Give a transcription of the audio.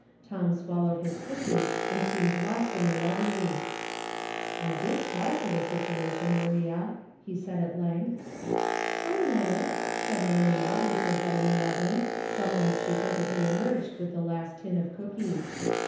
Tom swallowed his cookie and seemed lost in a reverie. I did try for the situation, Maria," he said at length. "I know it," said Maria, with her head in the oven, from whence she presently emerged with the last tin of cookies.